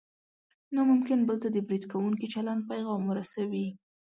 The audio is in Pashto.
نو ممکن بل ته د برید کوونکي چلند پیغام ورسوي.